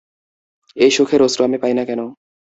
এই সুখের অশ্রু আমি পাই না কেন।